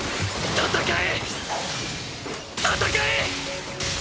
戦え！！